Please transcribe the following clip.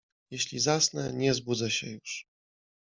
Jeśli zasnę, nie zbudzę się już.